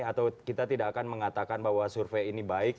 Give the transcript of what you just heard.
atau kita tidak akan mengatakan bahwa survei ini baik